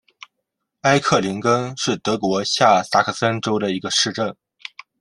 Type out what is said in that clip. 艾克林根是德国下萨克森州的一个市镇。